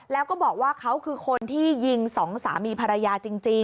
แล้วก็บอกว่าเขาคือคนที่ยิงสองสามีภรรยาจริง